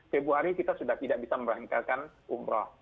februari kita sudah tidak bisa memberangkatkan umroh